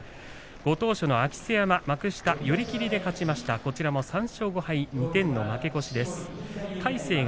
ご当所の明瀬山、幕下寄り切りで勝ちました３勝５敗、２点の負け越しです。